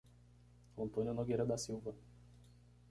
Antônio Nogueira da Silva